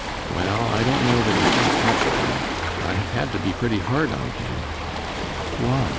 "Well, I don't know that he thinks much of me. I have had to be pretty hard on him." "Why?"